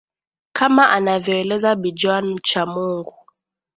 kama anavyoeleza bi joan chamungu